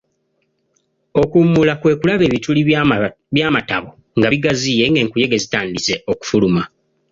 Okummula kwe kulaba ebituli by'amatabo nga bigaziye ng'enkuyege zitandise okufuluma.